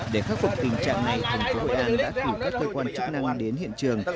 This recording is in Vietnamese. để khắc phục tình trạng này cửa biển cửa đại đã cử các cơ quan chức năng đến hiện trường